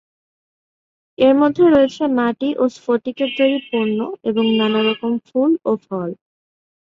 এর মধ্যে রয়েছে মাটি ও স্ফটিকের তৈরি পণ্য এবং নানারকম ফুল ও ফল।